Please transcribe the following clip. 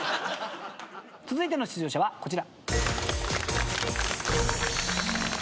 続いての出場者はこちら。